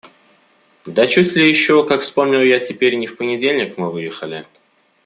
Да чуть ли еще, как вспомнил я теперь, не в понедельник мы выехали.